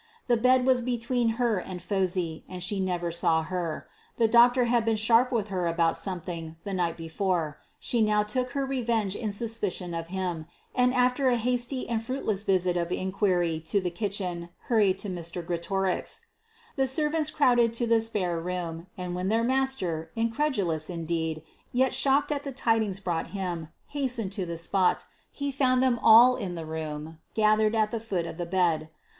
The bed was between her and Phosy, and she never saw her. The doctor had been sharp with her about something the night before: she now took her revenge in suspicion of him, and after a hasty and fruitless visit of inquiry to the kitchen, hurried to Mr. Greatorex. The servants crowded to the spare room, and when their master, incredulous indeed, yet shocked at the tidings brought him, hastened to the spot, he found them all in the room, gathered at the foot of the bed.